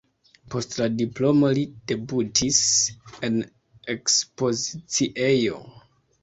Post la diplomo li debutis en ekspoziciejo.